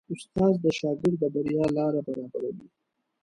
استاد د شاګرد د بریا لاره برابروي.